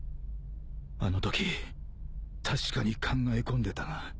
あのとき確かに考え込んでたが